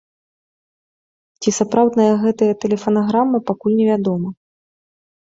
Ці сапраўдная гэтая тэлефанаграмма, пакуль невядома.